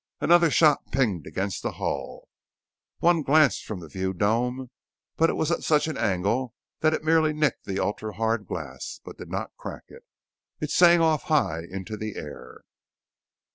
Another shot pinged against the hull, one glanced from the view dome but it was at such an angle that it merely nicked the ultra hard glass but did not crack it. It sang off high into the air.